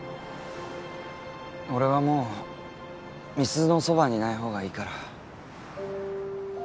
俺はもう美鈴のそばにいない方がいいから。